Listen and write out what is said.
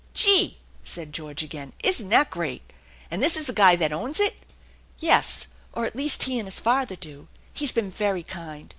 " Gee !" said George again, " isn't that great ? And is this the guy that owns it ?" "Yes, or at least he and his father do. He's been very kind.